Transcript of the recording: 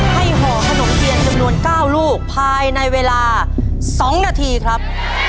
ห่อขนมเทียนจำนวน๙ลูกภายในเวลา๒นาทีครับ